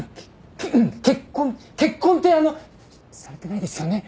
結婚ってあのされてないですよね？